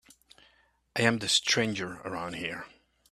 I'm the stranger around here.